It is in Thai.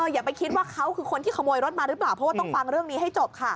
อย่าไปคิดว่าเขาคือคนที่ขโมยรถมาหรือเปล่าเพราะว่าต้องฟังเรื่องนี้ให้จบค่ะ